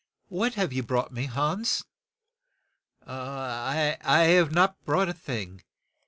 "What have you brought me, Hans?" "I have not brought a thing.